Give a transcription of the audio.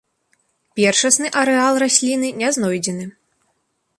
Першасны арэал расліны не знойдзены.